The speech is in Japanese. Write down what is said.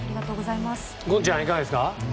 ゴンちゃんいかがですか。